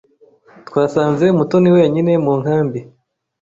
Twasanze Mutoni wenyine mu nkambi.